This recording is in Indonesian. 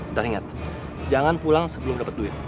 ntar ingat jangan pulang sebelum dapat duit